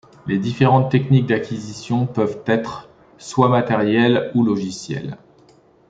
Les différentes techniques d'acquisition peuvent être soit matérielles ou logicielles.